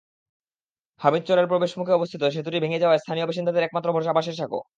হামিদচরের প্রবেশমুখে অবস্থিত সেতুটি ভেঙে যাওয়ায় স্থানীয় বাসিন্দাদের একমাত্র ভরসা বাঁশের সাঁকো।